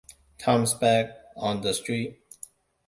Tom's back on the street.